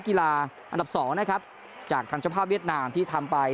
กีฬาอันดับ๒นะครับจากทางเจ้าภาพเวียดนามที่ทำไป